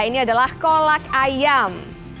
ini adalah kolak ayam